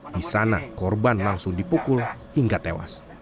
di sana korban langsung dipukul hingga tewas